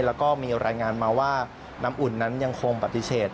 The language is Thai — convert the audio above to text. แล้วก็มีรายงานมาว่าน้ำอุ่นนั้นยังคงปฏิเสธ